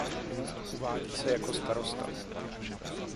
Uvádí se jako starosta.